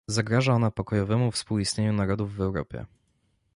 Zagraża ona pokojowemu współistnieniu narodów w Europie